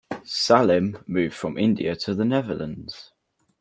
Salim moved from India to the Netherlands.